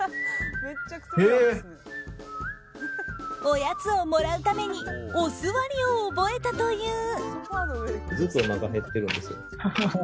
おやつをもらうためにお座りを覚えたという。